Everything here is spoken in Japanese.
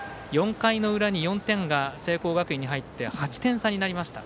４回の裏に４点が聖光学院に入って８点差になりました。